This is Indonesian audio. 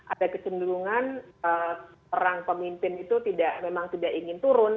ada kecenderungan perang pemimpin itu memang tidak ingin turun